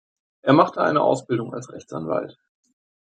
Er machte eine Ausbildung als Rechtsanwalt.